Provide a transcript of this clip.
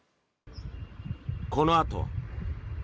このあとは。